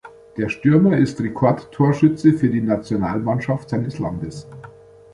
Der Stürmer ist Rekordtorschütze für die Nationalmannschaft seines Landes.